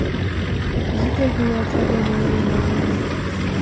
Jike huyataga mayai mawili.